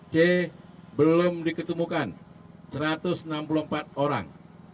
c belum diketemukan satu ratus enam puluh empat orang